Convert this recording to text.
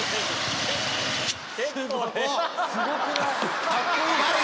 すごくない？